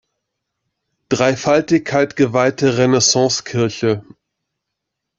Dreifaltigkeit geweihte Renaissance-Kirche.